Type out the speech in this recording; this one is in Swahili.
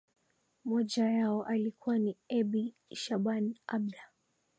moja yao alikuwa ni ebi shaban abda